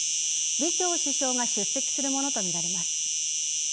李強首相が出席するものとみられます。